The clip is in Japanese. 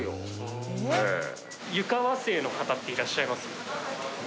湯川姓の方っていらっしゃいます？